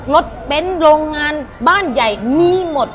รถเบ้นโรงงานบ้านใหญ่มีหมด